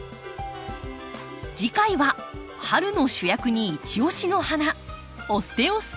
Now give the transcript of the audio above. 次回は春の主役にいち押しの花「オステオスペルマム」。